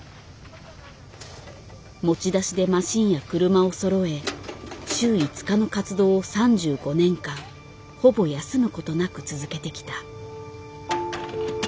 持ち出しでマシンや車をそろえ週５日の活動を３５年間ほぼ休むことなく続けてきた。